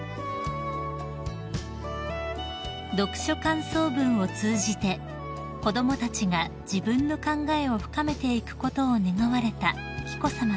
［読書感想文を通じて子供たちが自分の考えを深めていくことを願われた紀子さまです］